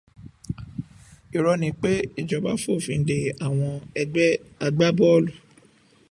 Irọ́ ni pé ìjọba fòfin dè àwọn ẹgbẹ́ agbábọ́ọ̀lù